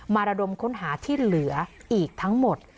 ระดมค้นหาที่เหลืออีกทั้งหมด